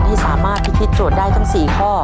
ให้สามารถพิธีโจทย์ได้ทั้ง๔ข้อ